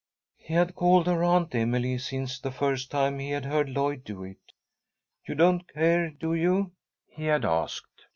He had called her Aunt Emily since the first time he had heard Lloyd do it. "You don't care, do you?" he had asked.